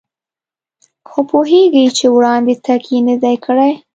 خو پوهېږي چې وړاندې تګ یې نه دی کړی.